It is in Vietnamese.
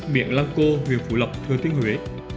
miệng lăng cô huyện phủ lộc thơ thế huế